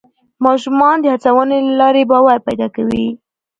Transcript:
ماشومان د هڅونې له لارې باور پیدا کوي